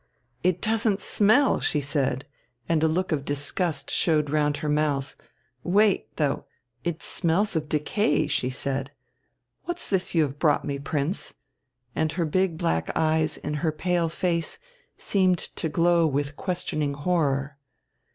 "It doesn't smell!" she said, and a look of disgust showed round her mouth. "Wait, though it smells of decay!" she said. "What's this you have brought me, Prince?" And her big black eyes in her pale face seemed to glow with questioning horror.